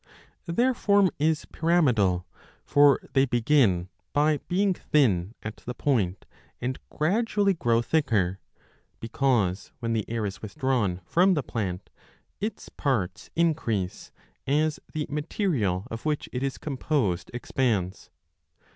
Their form is pyramidal ; for they begin by being thin at the point and gradually grow thicker, because when the air is withdrawn from the plant 15 its parts increase, as the material of which it is composed expands.